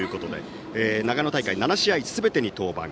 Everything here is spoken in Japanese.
長野大会７試合すべてに登板。